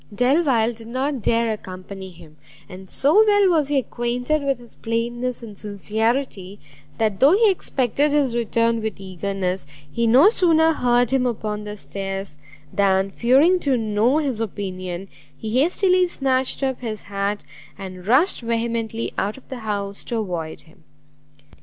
Delvile did not dare accompany him; and so well was he acquainted with his plainness and sincerity, that though he expected his return with eagerness, he no sooner heard him upon the stairs, than fearing to know his opinion, he hastily snatched up his hat, and rushed vehemently out of the house to avoid him.